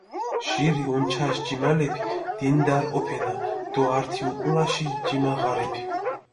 ჟირი უნჩაში ჯიმალეფი დინდარი ჸოფენა დო ართი უკულაში ჯიმა ღარიბი.